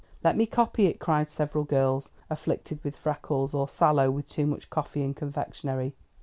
"Let me copy it," cried several girls afflicted with freckles, or sallow with too much coffee and confectionery.